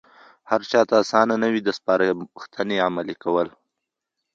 هرچاته آسانه نه وي د سپارښتنې عملي کول.